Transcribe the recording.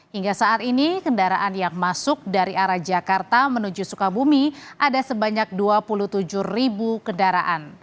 hingga saat ini kendaraan yang masuk dari arah jakarta menuju sukabumi ada sebanyak dua puluh tujuh ribu kendaraan